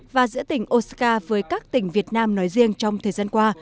và giữa tỉnh osaka với các tỉnh việt nam nói riêng trong thời gian qua